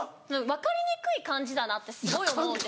分かりにくい漢字だなってすごい思うんです。